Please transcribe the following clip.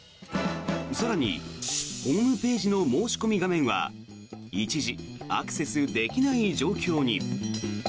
更にホームページの申し込み画面は一時、アクセスできない状況に。